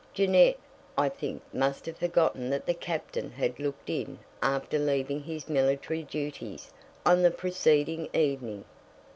Jeannette, I think, must have forgotten that the Captain had looked in after leaving his military duties on the preceding evening.